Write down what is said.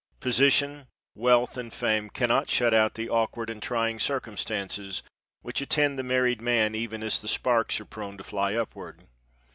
Position, wealth and fame cannot shut out the awkward and trying circumstances which attend the married man even as the sparks are prone to fly upward.